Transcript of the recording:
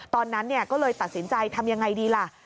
ตอนนั้นก็เลยตัดสินใจทำยังไงดีล่ะ